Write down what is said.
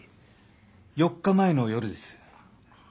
４日前の夜です。